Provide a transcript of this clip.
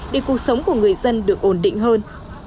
để cuộc sống của người dân được ổn định hơn